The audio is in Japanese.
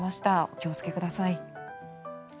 お気をつけください。